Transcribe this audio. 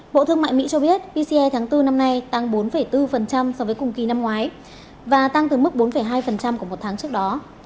bộ thương mại mỹ cho biết pce tháng bốn năm nay tăng bốn bốn so với cùng kỳ năm ngoái và tăng từ mức bốn hai của một tháng trước đó